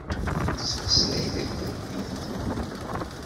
Nettmeslay takurdit.